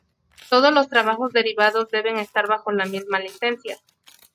Todos los trabajos derivados deben estar bajo la misma licencia.